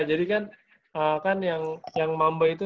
jadi kan yang mamba itu